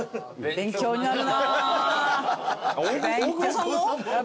勉強になる。